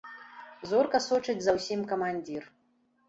Зорка сочыць за ўсім камандзір.